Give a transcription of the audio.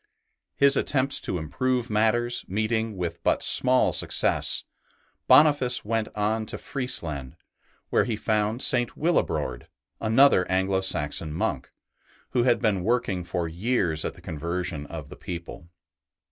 His attempts to improve matters meeting with but small success, Boniface went on to Friesland, where he found St. Willibrord, another Anglo Saxon monk, who had been working for years at the conversion of the people.